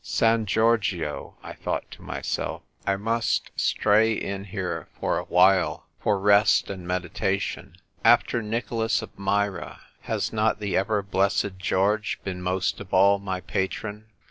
"San Giorgio !" I thought to myself; "1 must stray in here for awhile for rest and " WHEREFORE ART THOU ROMEO ?" 229 meditation. After Nicholas of Myra, has not the ever blessed George been most of all my patron